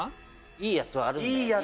「いいやつはあるんだよ」